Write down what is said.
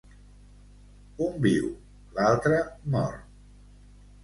Un viu, l'altre mor.